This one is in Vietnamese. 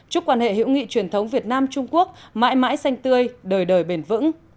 chúc quan hệ hữu nghị truyền thống việt nam trung quốc mãi mãi xanh tươi đời đời bền vững